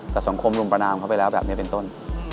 แต่สังคมรุมประนามเขาไปแล้วแบบนี้เป็นต้น